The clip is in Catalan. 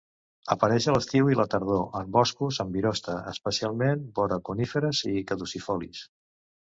Apareix a l'estiu i la tardor en boscos amb virosta, especialment vora coníferes i caducifolis.